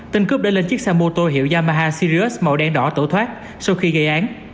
tên cướp đã lên chiếc xe mô tô hiệu yamaha syrius màu đen đỏ tẩu thoát sau khi gây án